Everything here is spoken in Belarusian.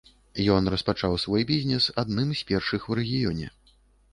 Ён распачаў свой бізнес адным з першых у рэгіёне.